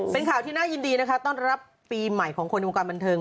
เป็นข่าวที่น่ายินดีนะคะต้อนรับปีใหม่ของคนในวงการบันเทิง